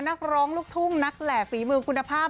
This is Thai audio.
นักร้องลูกทุ่งนักแหล่ฝีมือคุณภาพ